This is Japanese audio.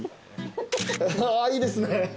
あいいですね。